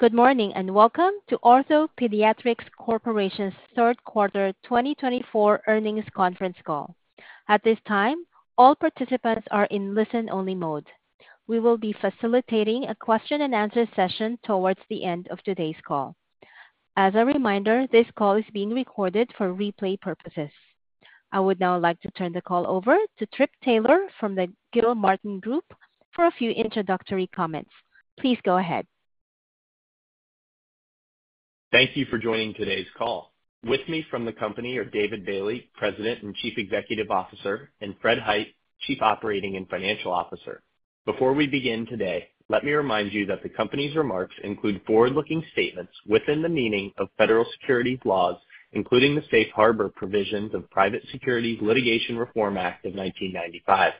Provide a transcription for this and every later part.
Good morning and welcome to OrthoPediatrics Corporation's third quarter 2024 earnings conference call. At this time, all participants are in listen-only mode. We will be facilitating a question-and-answer session towards the end of today's call. As a reminder, this call is being recorded for replay purposes. I would now like to turn the call over to Trip Taylor from the Gilmartin Group for a few introductory comments. Please go ahead. Thank you for joining today's call. With me from the company are David Bailey, President and Chief Executive Officer, and Fred Hite, Chief Operating and Financial Officer. Before we begin today, let me remind you that the company's remarks include forward-looking statements within the meaning of federal securities laws, including the Safe Harbor Provisions of the Private Securities Litigation Reform Act of 1995.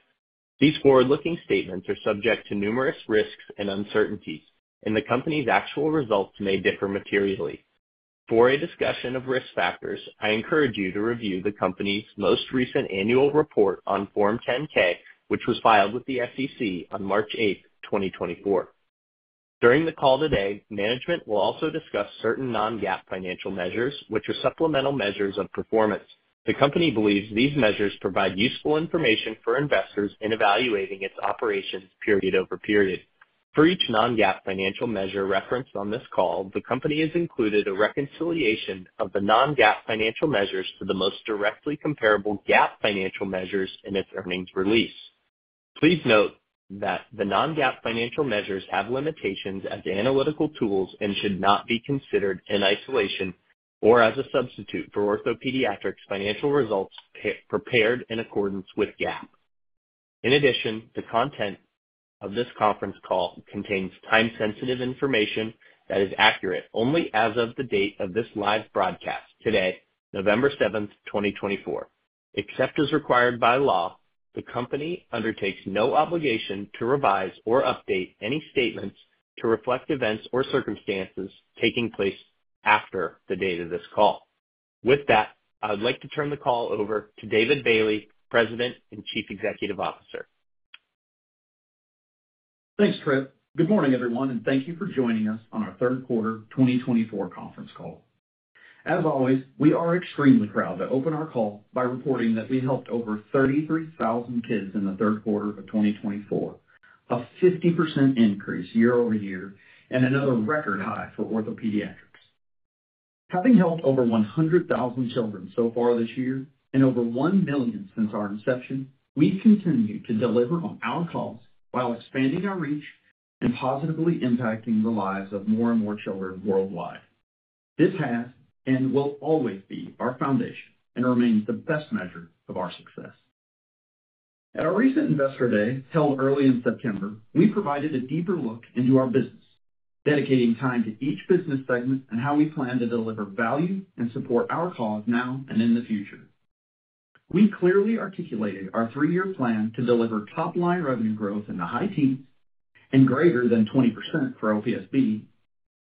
These forward-looking statements are subject to numerous risks and uncertainties, and the company's actual results may differ materially. For a discussion of risk factors, I encourage you to review the company's most recent annual report on Form 10-K, which was filed with the SEC on March 8, 2024. During the call today, management will also discuss certain non-GAAP financial measures, which are supplemental measures of performance. The company believes these measures provide useful information for investors in evaluating its operations period over period. For each non-GAAP financial measure referenced on this call, the company has included a reconciliation of the non-GAAP financial measures to the most directly comparable GAAP financial measures in its earnings release. Please note that the non-GAAP financial measures have limitations as analytical tools and should not be considered in isolation or as a substitute for OrthoPediatrics' financial results prepared in accordance with GAAP. In addition, the content of this conference call contains time-sensitive information that is accurate only as of the date of this live broadcast today, November 7, 2024. Except as required by law, the company undertakes no obligation to revise or update any statements to reflect events or circumstances taking place after the date of this call. With that, I would like to turn the call over to David Bailey, President and Chief Executive Officer. Thanks, Trip. Good morning, everyone, and thank you for joining us on our third quarter 2024 conference call. As always, we are extremely proud to open our call by reporting that we helped over 33,000 kids in the third quarter of 2024, a 50% increase year-over-year, and another record high for OrthoPediatrics. Having helped over 100,000 children so far this year and over 1 million since our inception, we continue to deliver on our calls while expanding our reach and positively impacting the lives of more and more children worldwide. This has and will always be our foundation and remains the best measure of our success. At our recent Investor Day, held early in September, we provided a deeper look into our business, dedicating time to each business segment and how we plan to deliver value and support our cause now and in the future. We clearly articulated our three-year plan to deliver top-line revenue growth in the high teens and greater than 20% for OPSB,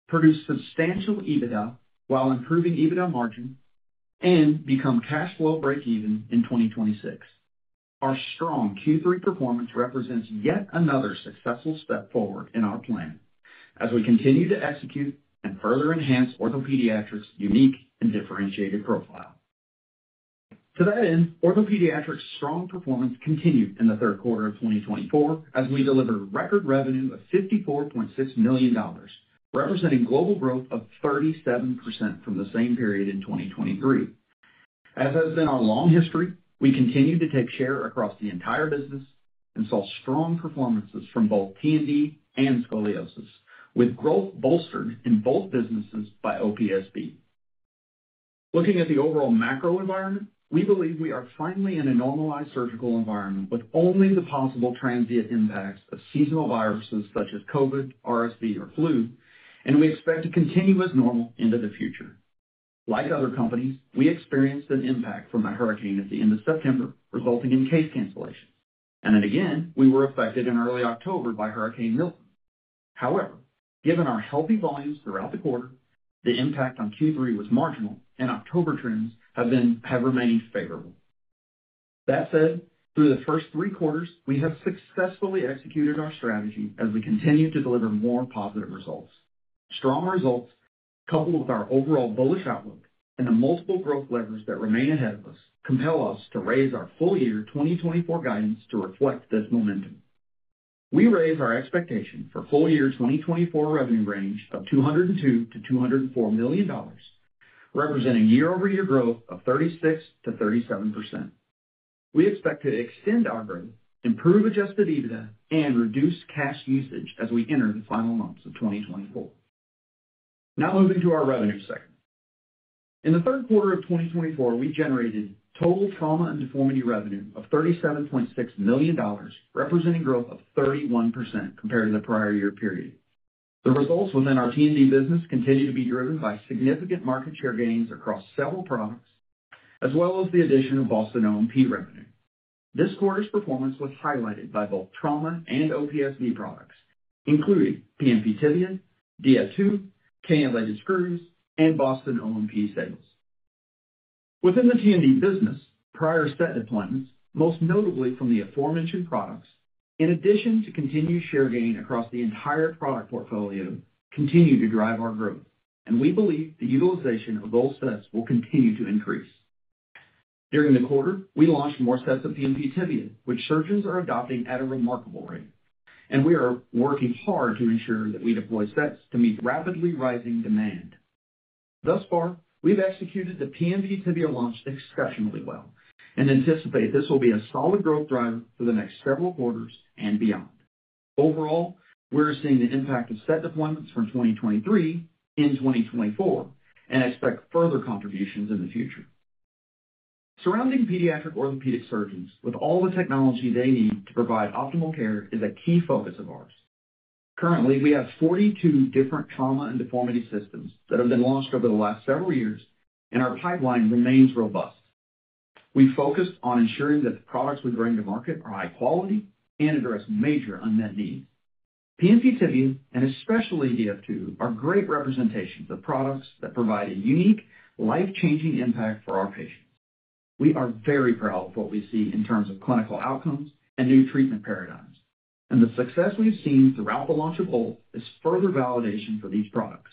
produce substantial EBITDA while improving EBITDA margin, and become cash flow break-even in 2026. Our strong Q3 performance represents yet another successful step forward in our plan as we continue to execute and further enhance OrthoPediatrics' unique and differentiated profile. To that end, OrthoPediatrics' strong performance continued in the third quarter of 2024 as we delivered record revenue of $54.6 million, representing global growth of 37% from the same period in 2023. As has been our long history, we continue to take share across the entire business and saw strong performances from both T&D and Scoliosis, with growth bolstered in both businesses by OPSB. Looking at the overall macro environment, we believe we are finally in a normalized surgical environment with only the possible transient impacts of seasonal viruses such as COVID, RSV, or flu, and we expect to continue as normal into the future. Like other companies, we experienced an impact from the hurricane at the end of September, resulting in case cancellations, and then again, we were affected in early October by Hurricane Milton. However, given our healthy volumes throughout the quarter, the impact on Q3 was marginal, and October trends have remained favorable. That said, through the first three quarters, we have successfully executed our strategy as we continue to deliver more positive results. Strong results, coupled with our overall bullish outlook and the multiple growth levers that remain ahead of us, compel us to raise our full-year 2024 guidance to reflect this momentum. We raise our expectation for full-year 2024 revenue range of $202 million-$204 million, representing year-over-year growth of 36%-37%. We expect to extend our growth, improve Adjusted EBITDA, and reduce cash usage as we enter the final months of 2024. Now moving to our revenue segment. In the third quarter of 2024, we generated total trauma and deformity revenue of $37.6 million, representing growth of 31% compared to the prior year period. The results within our T&D business continue to be driven by significant market share gains across several products, as well as the addition of Boston O&P revenue. This quarter's performance was highlighted by both trauma and OPSB products, including PNP Tibia, DF2, Cannulated Screws, and Boston O&P sales. Within the T&D business, prior set deployments, most notably from the aforementioned products, in addition to continued share gain across the entire product portfolio, continue to drive our growth, and we believe the utilization of those sets will continue to increase. During the quarter, we launched more sets of PNP Tibia, which surgeons are adopting at a remarkable rate, and we are working hard to ensure that we deploy sets to meet rapidly rising demand. Thus far, we've executed the PNP Tibia launch exceptionally well and anticipate this will be a solid growth driver for the next several quarters and beyond. Overall, we're seeing the impact of set deployments from 2023 in 2024 and expect further contributions in the future. Surrounding pediatric orthopedic surgeons with all the technology they need to provide optimal care is a key focus of ours. Currently, we have 42 different Trauma and Deformity systems that have been launched over the last several years, and our pipeline remains robust. We focused on ensuring that the products we bring to market are high quality and address major unmet needs. PNP Tibia, and especially DF2, are great representations of products that provide a unique, life-changing impact for our patients. We are very proud of what we see in terms of clinical outcomes and new treatment paradigms, and the success we've seen throughout the launch of both is further validation for these products.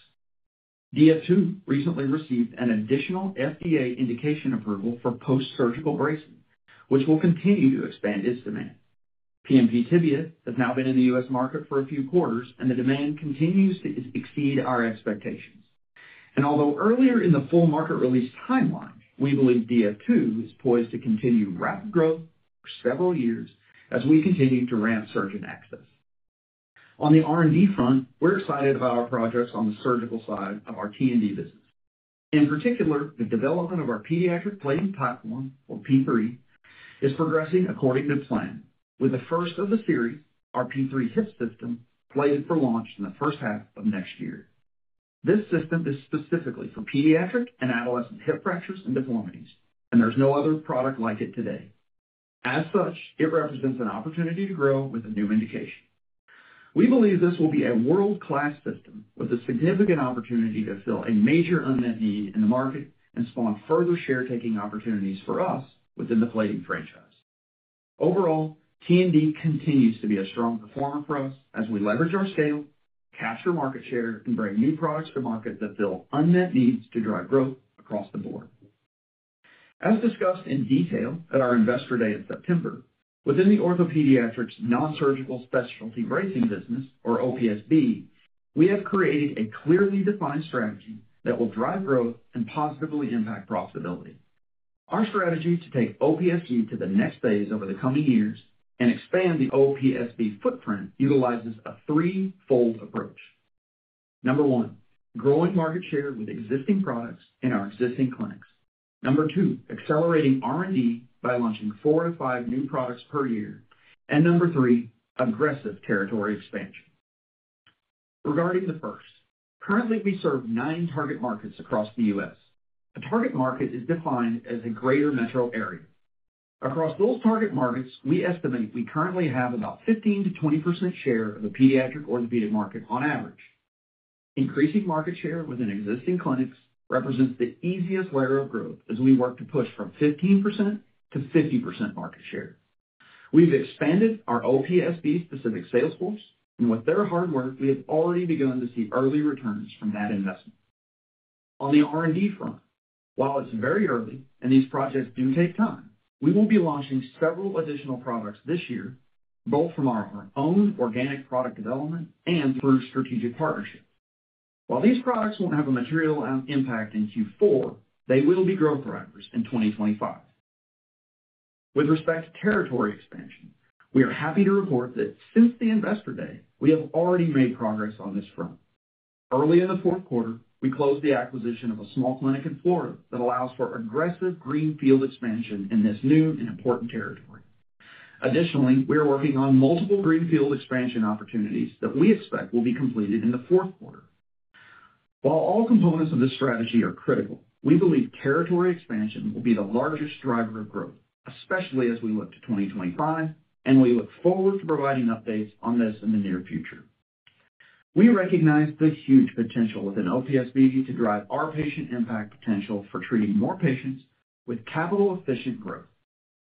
DF2 recently received an additional FDA indication approval for post-surgical bracing, which will continue to expand its demand. PNP Tibia has now been in the U.S. market for a few quarters, and the demand continues to exceed our expectations. Although earlier in the full market release timeline, we believe DF2 is poised to continue rapid growth for several years as we continue to ramp surgeon access. On the R&D front, we're excited about our projects on the surgical side of our T&D business. In particular, the development of our pediatric plating platform, or P3, is progressing according to plan, with the first of the series, our P3 Hip System, slated for launch in the first half of next year. This system is specifically for pediatric and adolescent hip fractures and deformities, and there's no other product like it today. As such, it represents an opportunity to grow with a new indication. We believe this will be a world-class system with a significant opportunity to fill a major unmet need in the market and spawn further share-taking opportunities for us within the plating franchise. Overall, T&D continues to be a strong performer for us as we leverage our scale, capture market share, and bring new products to market that fill unmet needs to drive growth across the board. As discussed in detail at our Investor Day in September, within the OrthoPediatrics non-surgical specialty bracing business, or OPSB, we have created a clearly defined strategy that will drive growth and positively impact profitability. Our strategy to take OPSB to the next phase over the coming years and expand the OPSB footprint utilizes a threefold approach. Number one, growing market share with existing products in our existing clinics. Number two, accelerating R&D by launching four-to-five new products per year. And number three, aggressive territory expansion. Regarding the first, currently we serve nine target markets across the U.S. A target market is defined as a greater metro area. Across those target markets, we estimate we currently have about 15%-20% share of the pediatric orthopedic market on average. Increasing market share within existing clinics represents the easiest layer of growth as we work to push from 15%-50% market share. We've expanded our OPSB-specific sales force, and with their hard work, we have already begun to see early returns from that investment. On the R&D front, while it's very early and these projects do take time, we will be launching several additional products this year, both from our own organic product development and through strategic partnerships. While these products won't have a material impact in Q4, they will be growth drivers in 2025. With respect to territory expansion, we are happy to report that since the Investor Day, we have already made progress on this front. Early in the fourth quarter, we closed the acquisition of a small clinic in Florida that allows for aggressive greenfield expansion in this new and important territory. Additionally, we are working on multiple greenfield expansion opportunities that we expect will be completed in the fourth quarter. While all components of this strategy are critical, we believe territory expansion will be the largest driver of growth, especially as we look to 2025, and we look forward to providing updates on this in the near future. We recognize the huge potential within OPSB to drive our patient impact potential for treating more patients with capital-efficient growth.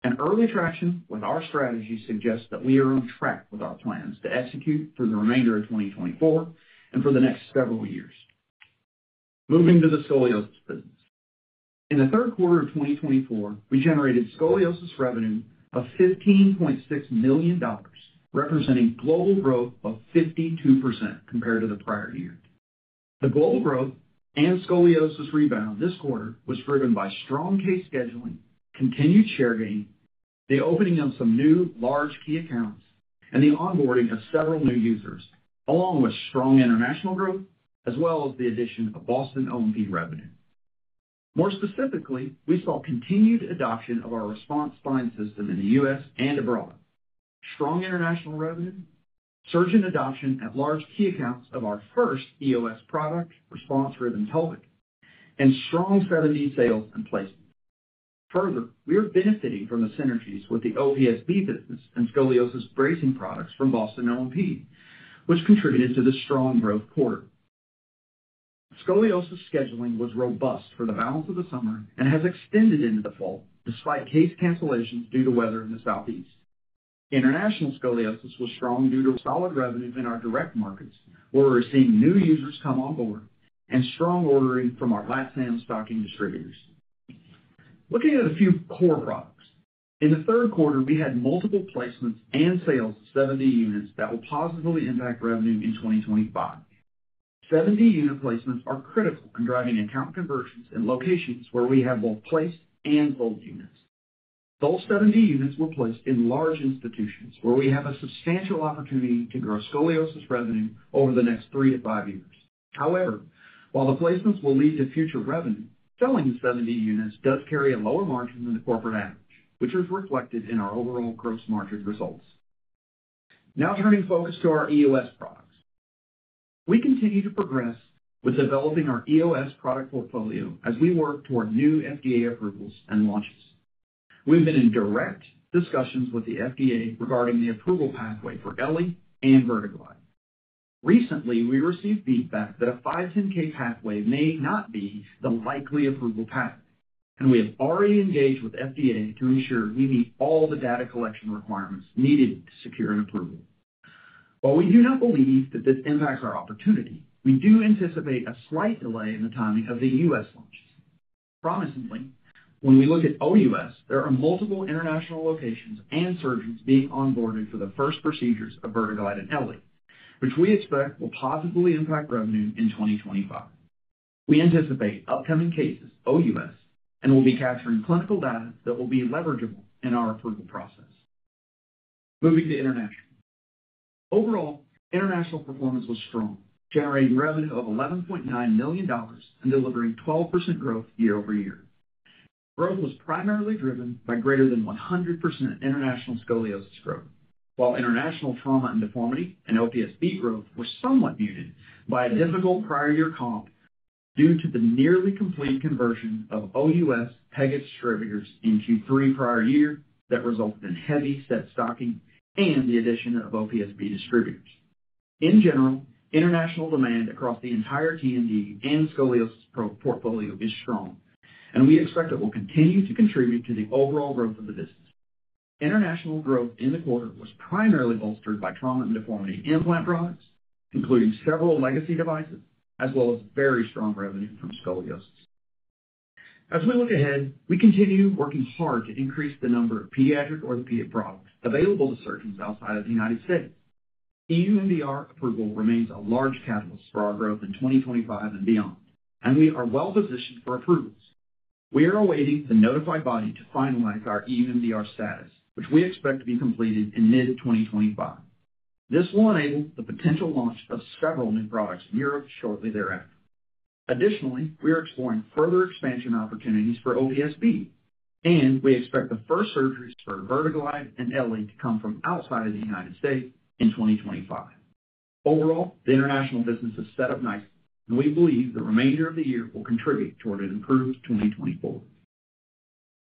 And early traction with our strategy suggests that we are on track with our plans to execute for the remainder of 2024 and for the next several years. Moving to the Scoliosis business. In the third quarter of 2024, we generated scoliosis revenue of $15.6 million, representing global growth of 52% compared to the prior year. The global growth and scoliosis rebound this quarter was driven by strong case scheduling, continued share gain, the opening of some new large key accounts, and the onboarding of several new users, along with strong international growth, as well as the addition of Boston O&P revenue. More specifically, we saw continued adoption of our Response Spine System in the U.S. and abroad, strong international revenue, surgeon adoption at large key accounts of our first EOS product, Response Rhythm Pelvic, and strong 7D sales and placement. Further, we are benefiting from the synergies with the OPSB business and scoliosis bracing products from Boston O&P, which contributed to the strong growth quarter. Scoliosis scheduling was robust for the balance of the summer and has extended into the fall, despite case cancellations due to weather in the southeast. International scoliosis was strong due to solid revenue in our direct markets, where we're seeing new users come on board and strong ordering from our GlassHand stocking distributors. Looking at a few core products, in the third quarter, we had multiple placements and sales of 7D units that will positively impact revenue in 2025. 7D unit placements are critical in driving account conversions in locations where we have both placed and sold units. Those 7D units were placed in large institutions where we have a substantial opportunity to grow scoliosis revenue over the next three to five years. However, while the placements will lead to future revenue, selling the 7D units does carry a lower margin than the corporate average, which is reflected in our overall gross margin results. Now turning focus to our EOS products. We continue to progress with developing our EOS product portfolio as we work toward new FDA approvals and launches. We've been in direct discussions with the FDA regarding the approval pathway for ELLI and VertiGlide. Recently, we received feedback that a 510(k) pathway may not be the likely approval path, and we have already engaged with FDA to ensure we meet all the data collection requirements needed to secure an approval. While we do not believe that this impacts our opportunity, we do anticipate a slight delay in the timing of the U.S. launches. Promisingly, when we look at OUS, there are multiple international locations and surgeons being onboarded for the first procedures of VertiGlide and ELLI, which we expect will positively impact revenue in 2025. We anticipate upcoming cases OUS and will be capturing clinical data that will be leverageable in our approval process. Moving to international. Overall, international performance was strong, generating revenue of $11.9 million and delivering 12% growth year-over-year. Growth was primarily driven by greater than 100% international scoliosis growth, while international trauma and deformity and OPSB growth were somewhat muted by a difficult prior year comp due to the nearly complete conversion of OUS Pega distributors in Q3 prior year that resulted in heavy set stocking and the addition of OPSB distributors. In general, international demand across the entire T&D and scoliosis portfolio is strong, and we expect it will continue to contribute to the overall growth of the business. International growth in the quarter was primarily bolstered by trauma and deformity implant products, including several legacy devices, as well as very strong revenue from scoliosis. As we look ahead, we continue working hard to increase the number of pediatric orthopedic products available to surgeons outside of the United States. EU MDR approval remains a large catalyst for our growth in 2025 and beyond, and we are well positioned for approvals. We are awaiting the notified body to finalize our EU MDR status, which we expect to be completed in mid-2025. This will enable the potential launch of several new products in Europe shortly thereafter. Additionally, we are exploring further expansion opportunities for OPSB, and we expect the first surgeries for VertiGlide and ELLI to come from outside of the United States in 2025. Overall, the international business is set up nicely, and we believe the remainder of the year will contribute toward an improved 2024.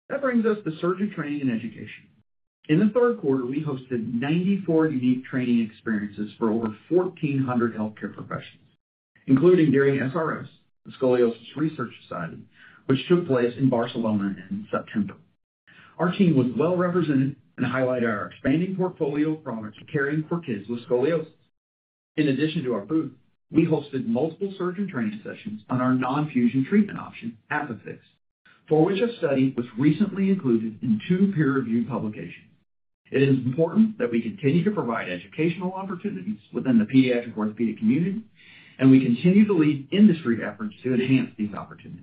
That brings us to surgeon training and education. In the third quarter, we hosted 94 unique training experiences for over 1,400 healthcare professionals, including during SRS, the Scoliosis Research Society, which took place in Barcelona in September. Our team was well represented and highlighted our expanding portfolio of products caring for kids with scoliosis. In addition to our booth, we hosted multiple surgeon training sessions on our non-fusion treatment option, ApiFix, for which a study was recently included in two peer-reviewed publications. It is important that we continue to provide educational opportunities within the pediatric orthopedic community, and we continue to lead industry efforts to enhance these opportunities.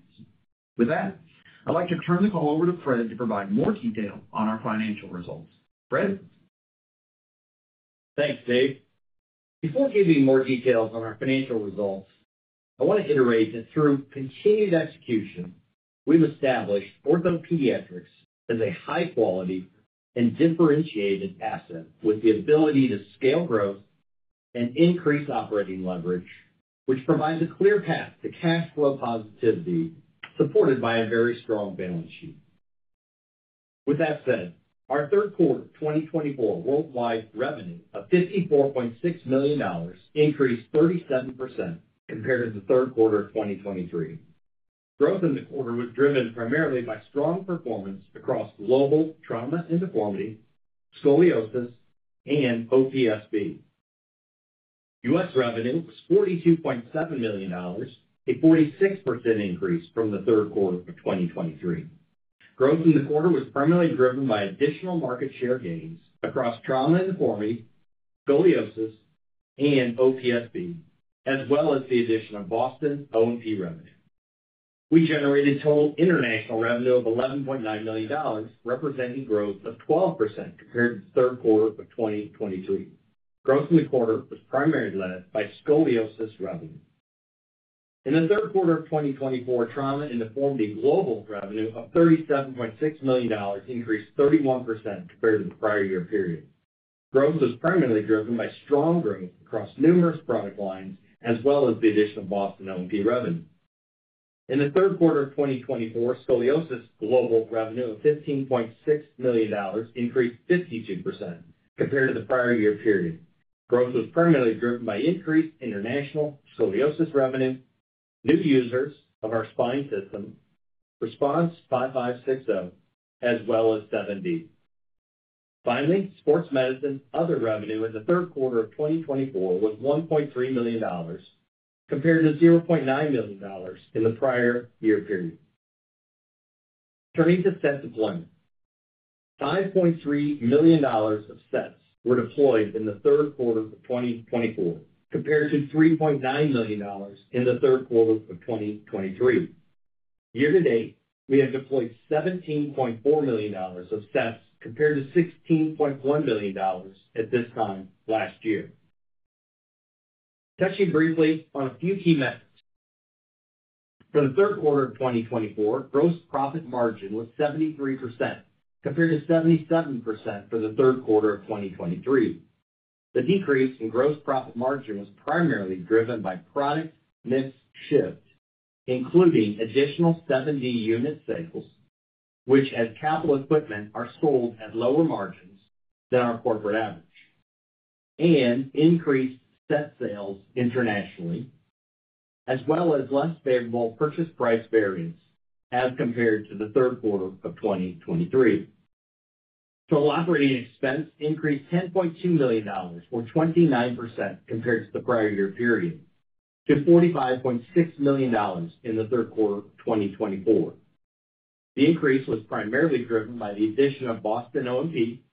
With that, I'd like to turn the call over to Fred to provide more detail on our financial results. Fred? Thanks, Dave. Before giving more details on our financial results, I want to reiterate that through continued execution, we've established OrthoPediatrics as a high-quality and differentiated asset with the ability to scale growth and increase operating leverage, which provides a clear path to cash flow positivity supported by a very strong balance sheet. With that said, our third quarter 2024 worldwide revenue of $54.6 million increased 37% compared to the third quarter of 2023. Growth in the quarter was driven primarily by strong performance across global trauma and deformity, scoliosis, and OPSB. U.S. Revenue was $42.7 million, a 46% increase from the third quarter of 2023. Growth in the quarter was primarily driven by additional market share gains across Trauma and Deformity, Scoliosis, and OPSB, as well as the addition of Boston O&P revenue. We generated total international revenue of $11.9 million, representing growth of 12% compared to the third quarter of 2023. Growth in the quarter was primarily led by Scoliosis revenue. In the third quarter of 2024, Trauma and Deformity global revenue of $37.6 million increased 31% compared to the prior year period. Growth was primarily driven by strong growth across numerous product lines, as well as the addition of Boston O&P revenue. In the third quarter of 2024, Scoliosis global revenue of $15.6 million increased 52% compared to the prior year period. Growth was primarily driven by increased international scoliosis revenue, new users of our spine system, Response 5.5/6.0, as well as 7D. Finally, Sports Medicine other revenue in the third quarter of 2024 was $1.3 million compared to $0.9 million in the prior year period. Turning to set deployment. $5.3 million of sets were deployed in the third quarter of 2024 compared to $3.9 million in the third quarter of 2023. Year to date, we have deployed $17.4 million of sets compared to $16.1 million at this time last year. Touching briefly on a few key metrics. For the third quarter of 2024, gross profit margin was 73% compared to 77% for the third quarter of 2023. The decrease in gross profit margin was primarily driven by product mix shift, including additional 7D unit sales, which at capital equipment are sold at lower margins than our corporate average, and increased set sales internationally, as well as less favorable purchase price variance as compared to the third quarter of 2023. Total operating expense increased $10.2 million, or 29% compared to the prior year period, to $45.6 million in the third quarter of 2024. The increase was primarily driven by the addition of Boston O&P,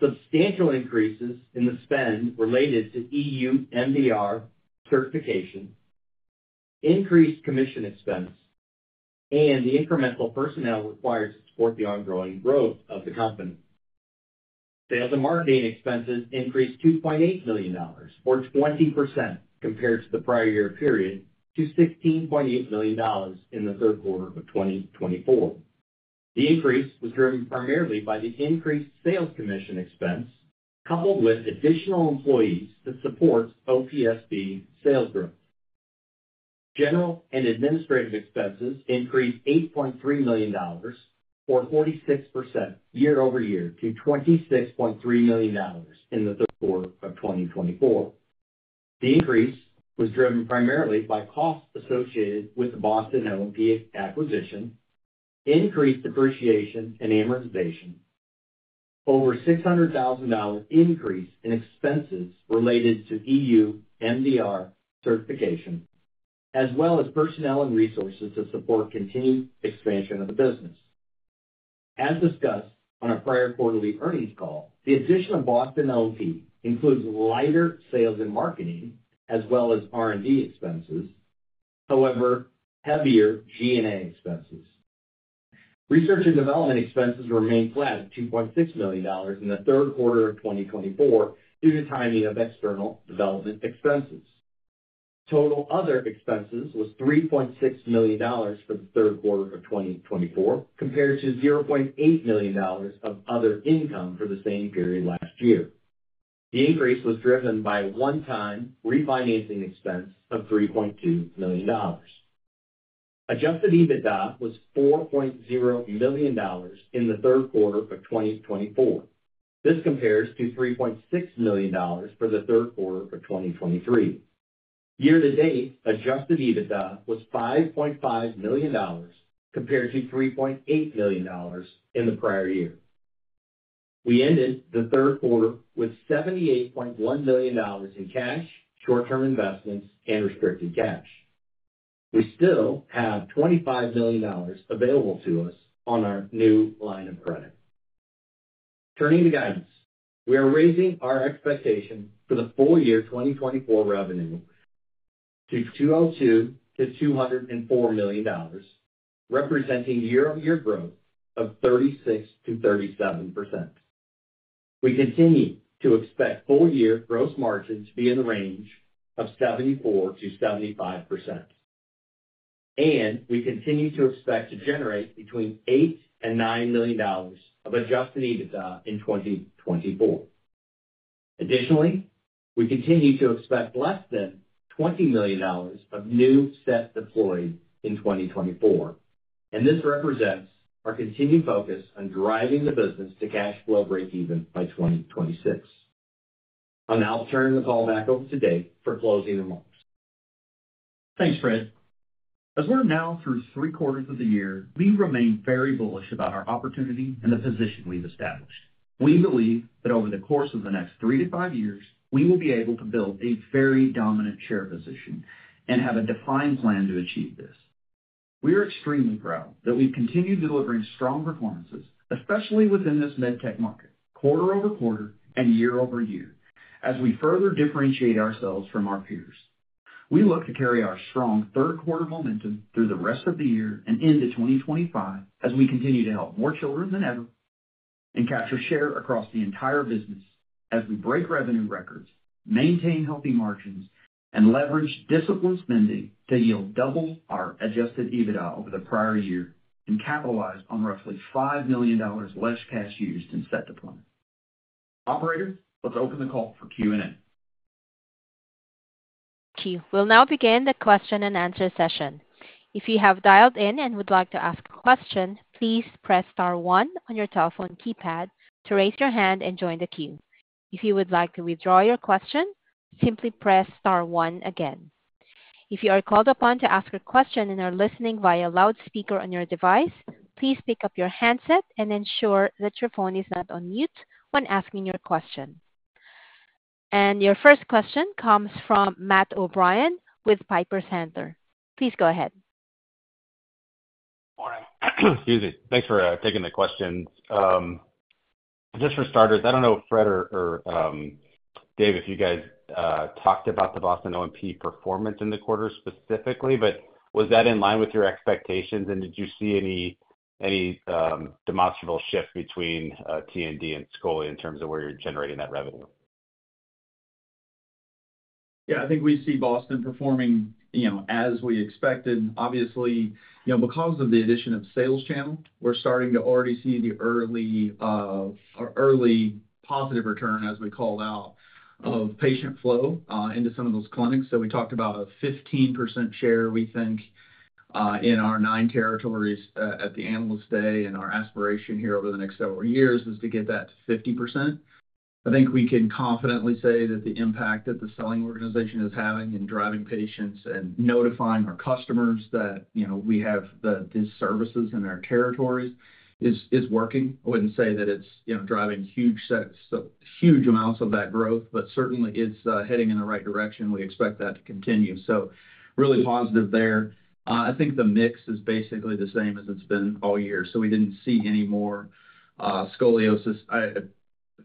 substantial increases in the spend related to EU MDR certification, increased commission expense, and the incremental personnel required to support the ongoing growth of the company. Sales and marketing expenses increased $2.8 million, or 20% compared to the prior year period, to $16.8 million in the third quarter of 2024. The increase was driven primarily by the increased sales commission expense, coupled with additional employees to support OPSB sales growth. General and administrative expenses increased $8.3 million, or 46% year-over-year, to $26.3 million in the third quarter of 2024. The increase was driven primarily by costs associated with the Boston O&P acquisition, increased depreciation and amortization, over $600,000 increase in expenses related to EU MDR certification, as well as personnel and resources to support continued expansion of the business. As discussed on a prior quarterly earnings call, the addition of Boston O&P includes lighter sales and marketing, as well as R&D expenses, however, heavier G&A expenses. Research and development expenses remained flat at $2.6 million in the third quarter of 2024 due to timing of external development expenses. Total other expenses was $3.6 million for the third quarter of 2024 compared to $0.8 million of other income for the same period last year. The increase was driven by a one-time refinancing expense of $3.2 million. Adjusted EBITDA was $4.0 million in the third quarter of 2024. This compares to $3.6 million for the third quarter of 2023. Year to date, adjusted EBITDA was $5.5 million compared to $3.8 million in the prior year. We ended the third quarter with $78.1 million in cash, short-term investments, and restricted cash. We still have $25 million available to us on our new line of credit. Turning to guidance, we are raising our expectation for the full year 2024 revenue to $202 million-$204 million, representing year-on-year growth of 36%-37%. We continue to expect full year gross margin to be in the range of 74%-75%. We continue to expect to generate between $8 million and $9 million of Adjusted EBITDA in 2024. Additionally, we continue to expect less than $20 million of new sets deployed in 2024, and this represents our continued focus on driving the business to cash flow breakeven by 2026. I'll turn the call back over to Dave for closing remarks. Thanks, Fred. As we're now through three quarters of the year, we remain very bullish about our opportunity and the position we've established. We believe that over the course of the next three to five years, we will be able to build a very dominant share position and have a defined plan to achieve this. We are extremely proud that we've continued delivering strong performances, especially within this med tech market, quarter-over-quarter and year-over-year, as we further differentiate ourselves from our peers. We look to carry our strong third quarter momentum through the rest of the year and into 2025 as we continue to help more children than ever and capture share across the entire business as we break revenue records, maintain healthy margins, and leverage disciplined spending to yield double our Adjusted EBITDA over the prior year and capitalize on roughly $5 million less cash used in set deployment. Operator, let's open the call for Q&A. We'll now begin the question and answer session. If you have dialed in and would like to ask a question, please press star one on your telephone keypad to raise your hand and join the queue. If you would like to withdraw your question, simply press star one again. If you are called upon to ask a question and are listening via loudspeaker on your device, please pick up your handset and ensure that your phone is not on mute when asking your question. And your first question comes from Matt O'Brien with Piper Sandler. Please go ahead. Morning. Excuse me. Thanks for taking the questions. Just for starters, I don't know if Fred or Dave, if you guys talked about the Boston O&P performance in the quarter specifically, but was that in line with your expectations, and did you see any demonstrable shift between T&D and Scoli in terms of where you're generating that revenue? Yeah, I think we see Boston performing as we expected. Obviously, because of the addition of sales channel, we're starting to already see the early positive return, as we called out, of patient flow into some of those clinics. So we talked about a 15% share, we think, in our nine territories at the analyst day, and our aspiration here over the next several years is to get that to 50%. I think we can confidently say that the impact that the selling organization is having in driving patients and notifying our customers that we have these services in our territories is working. I wouldn't say that it's driving huge amounts of that growth, but certainly it's heading in the right direction. We expect that to continue. So really positive there. I think the mix is basically the same as it's been all year. So we didn't see any more scoliosis. I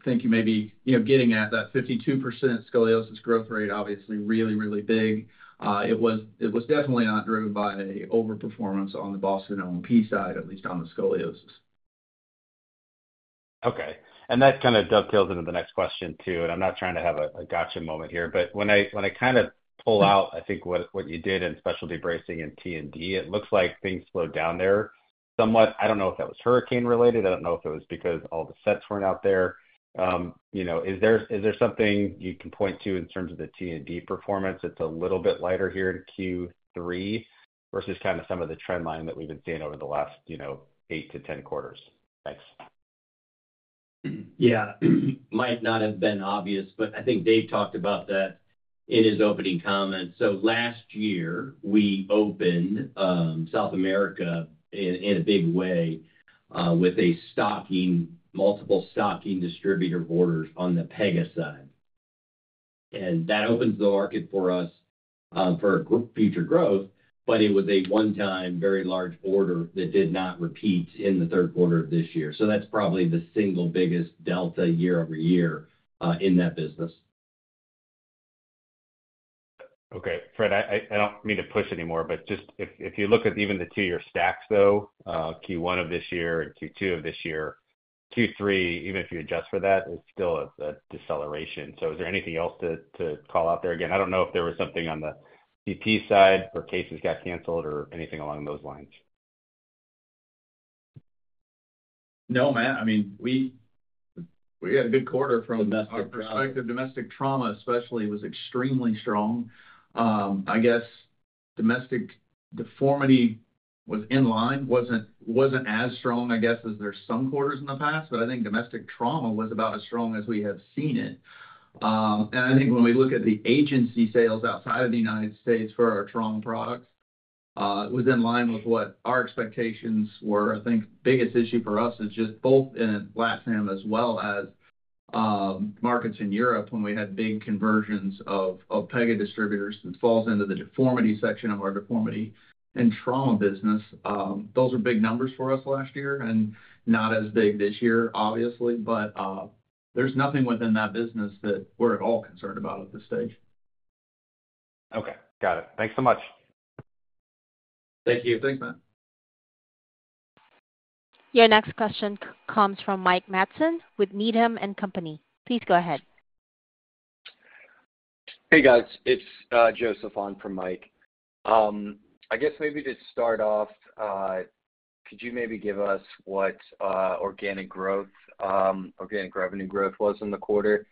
think you may be getting at that 52% scoliosis growth rate, obviously really, really big. It was definitely not driven by overperformance on the Boston O&P side, at least on the scoliosis. Okay. That kind of dovetails into the next question too. I'm not trying to have a gotcha moment here, but when I kind of pull out, I think what you did in specialty bracing and T&D, it looks like things slowed down there somewhat. I don't know if that was hurricane-related. I don't know if it was because all the sets weren't out there. Is there something you can point to in terms of the T&D performance that's a little bit lighter here in Q3 versus kind of some of the trend line that we've been seeing over the last eight to 10 quarters? Thanks. Yeah. Might not have been obvious, but I think Dave talked about that in his opening comments. Last year, we opened South America in a big way with multiple stocking distributor orders on the Pega side. And that opens the market for us for future growth, but it was a one-time very large order that did not repeat in the third quarter of this year. So that's probably the single biggest delta year-over-year in that business. Okay. Fred, I don't mean to push anymore, but just if you look at even the two-year stacks, though, Q1 of this year and Q2 of this year, Q3, even if you adjust for that, it's still a deceleration. So is there anything else to call out there? Again, I don't know if there was something on the CP side or cases got canceled or anything along those lines. No, Matt. I mean, we had a good quarter from the perspective. Domestic trauma, especially, was extremely strong. I guess domestic deformity was in line, wasn't as strong, I guess, as there are some quarters in the past, but I think domestic trauma was about as strong as we have seen it, and I think when we look at the agency sales outside of the United States for our trauma products, it was in line with what our expectations were. I think the biggest issue for us is just both in LATAM as well as markets in Europe when we had big conversions of Pega distributors, which falls into the deformity section of our deformity and trauma business. Those were big numbers for us last year and not as big this year, obviously, but there's nothing within that business that we're at all concerned about at this stage. Okay. Got it. Thanks so much. Thank you. Thanks, Matt. Your next question comes from Mike Matson with Needham & Company. Please go ahead.. Hey, guys. It's Joseph on for Mike. I guess maybe to start off, could you maybe give us what organic revenue growth was in the quarter?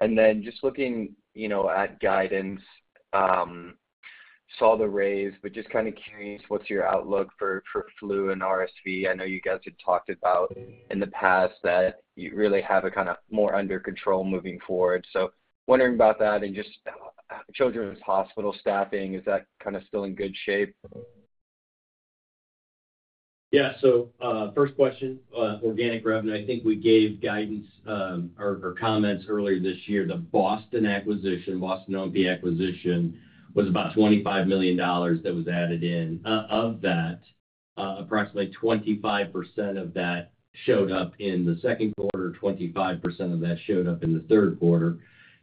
And then just looking at guidance, saw the raise, but just kind of curious, what's your outlook for flu and RSV? I know you guys had talked about in the past that you really have it kind of more under control moving forward. So wondering about that and just children's hospital staffing, is that kind of still in good shape? Yeah. So first question, organic revenue, I think we gave guidance or comments earlier this year. The Boston O&P acquisition was about $25 million that was added in. Of that, approximately 25% of that showed up in the second quarter, 25% of that showed up in the third quarter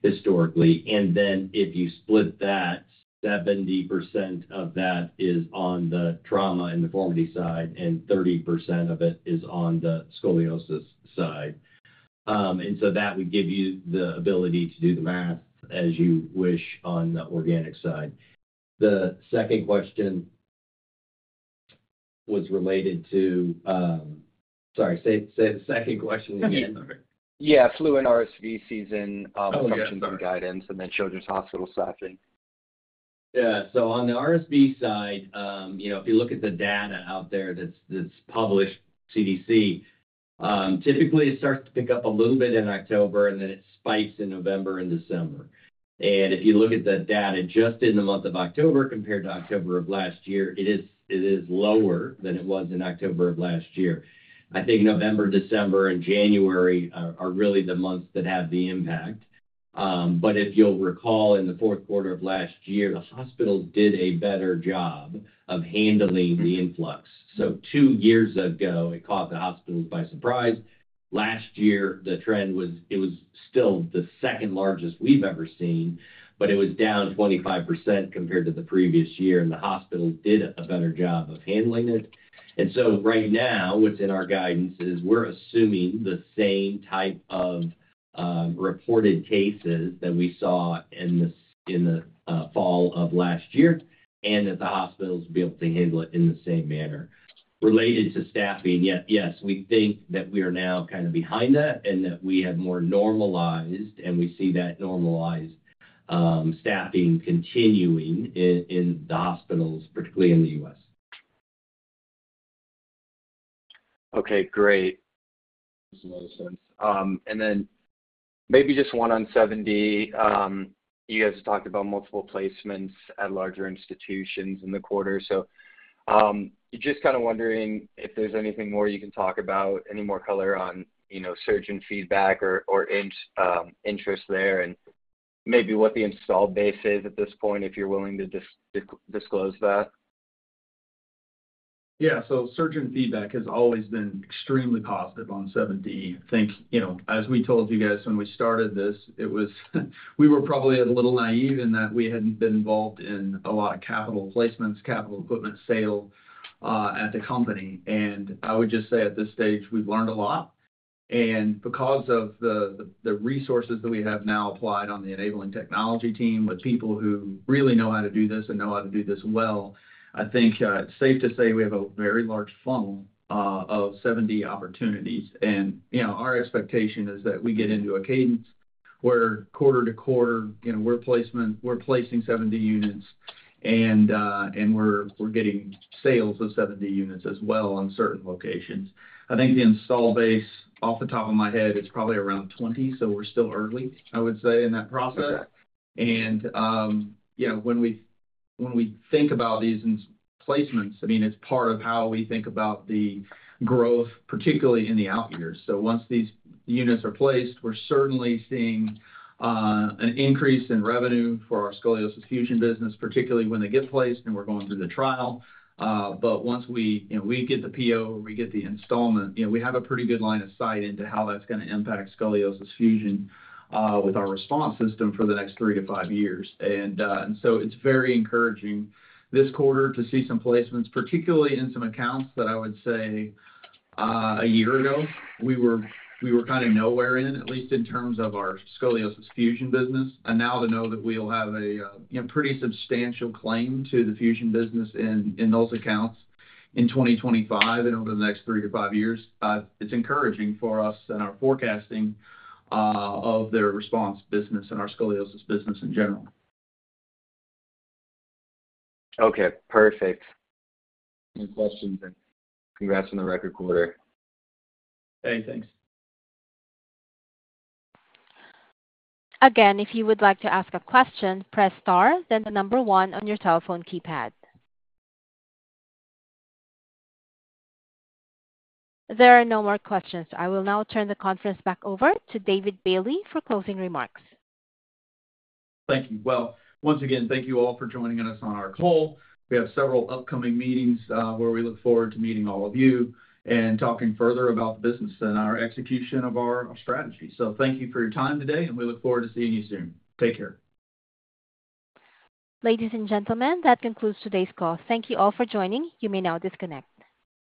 historically. Then if you split that, 70% of that is on the Trauma and Deformity side, and 30% of it is on the Scoliosis side. So that would give you the ability to do the math as you wish on the organic side. The second question was related to, sorry, say the second question again. Yeah. Flu and RSV season functions and guidance, and then children's hospital staffing. Yeah. So on the RSV side, if you look at the data out there that's published, CDC, typically it starts to pick up a little bit in October, and then it spikes in November and December. If you look at the data just in the month of October compared to October of last year, it is lower than it was in October of last year. I think November, December, and January are really the months that have the impact. But if you'll recall, in the fourth quarter of last year, the hospitals did a better job of handling the influx. So two years ago, it caught the hospitals by surprise. Last year, the trend was it was still the second largest we've ever seen, but it was down 25% compared to the previous year, and the hospitals did a better job of handling it. And so right now, what's in our guidance is we're assuming the same type of reported cases that we saw in the fall of last year and that the hospitals will be able to handle it in the same manner. Related to staffing, yes, we think that we are now kind of behind that and that we have more normalized, and we see that normalized staffing continuing in the hospitals, particularly in the U.S. Okay. Great. Makes a lot of sense. And then maybe just one on 7D. You guys have talked about multiple placements at larger institutions in the quarter. So just kind of wondering if there's anything more you can talk about, any more color on surgeon feedback or interest there, and maybe what the installed base is at this point, if you're willing to disclose that. Yeah. So surgeon feedback has always been extremely positive on 7D. I think, as we told you guys when we started this, we were probably a little naive in that we hadn't been involved in a lot of capital placements, capital equipment sale at the company. And I would just say at this stage, we've learned a lot. Because of the resources that we have now applied on the enabling technology team with people who really know how to do this and know how to do this well, I think it's safe to say we have a very large funnel of 70 opportunities. Our expectation is that we get into a cadence where quarter to quarter, we're placing 70 units, and we're getting sales of 70 units as well on certain locations. I think the installed base, off the top of my head, it's probably around 20, so we're still early, I would say, in that process. When we think about these placements, I mean, it's part of how we think about the growth, particularly in the out years. So once these units are placed, we're certainly seeing an increase in revenue for our scoliosis fusion business, particularly when they get placed and we're going through the trial. But once we get the PO, we get the installment, we have a pretty good line of sight into how that's going to impact scoliosis fusion with our response system for the next three to five years. And so it's very encouraging this quarter to see some placements, particularly in some accounts that I would say a year ago, we were kind of nowhere in, at least in terms of our scoliosis fusion business. And now to know that we'll have a pretty substantial claim to the fusion business in those accounts in 2025 and over the next three to five years, it's encouraging for us and our forecasting of their response business and our scoliosis business in general. Okay. Perfect. No questions. And congrats on the record quarter. Hey, thanks. Again, if you would like to ask a question, press star, then the number one on your telephone keypad. There are no more questions. I will now turn the conference back over to David Bailey for closing remarks. Thank you. Well, once again, thank you all for joining us on our call. We have several upcoming meetings where we look forward to meeting all of you and talking further about the business and our execution of our strategy. So thank you for your time today, and we look forward to seeing you soon. Take care. Ladies and gentlemen, that concludes today's call. Thank you all for joining. You may now disconnect.